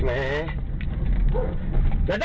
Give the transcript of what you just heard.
เหมือนกันและ